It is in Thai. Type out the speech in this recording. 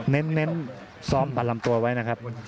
เน้นซ้อมฟันลำตัวไว้นะครับ